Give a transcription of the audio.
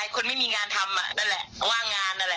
คือใครอาจารย์